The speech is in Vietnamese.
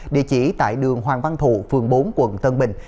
địa chỉ tại đường hoàng văn thụ phường bốn quận tân bình